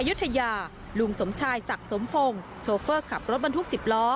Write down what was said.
ยุธยาลุงสมชายศักดิ์สมพงศ์โชเฟอร์ขับรถบรรทุก๑๐ล้อ